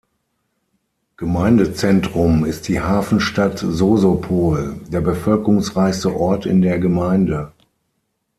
Gemeindezentrum ist die Hafenstadt Sosopol, der bevölkerungsreichste Ort in der Gemeinde.